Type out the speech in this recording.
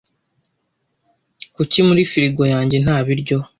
Kuki muri firigo yanjye nta biryo?